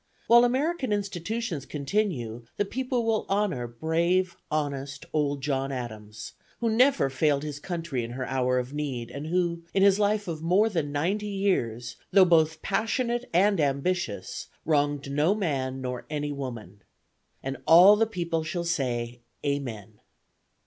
While American Institutions continue, the People will honor brave, honest old John Adams, who never failed his country in her hour of need, and who, in his life of more than ninety years, though both passionate and ambitious, wronged no man nor any woman. "And all the people shall say Amen!"